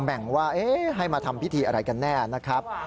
แบ่งว่าให้มาทำพิธีอะไรกันแน่นะครับ